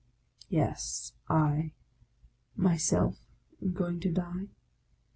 Yes, I — myself am going to die ?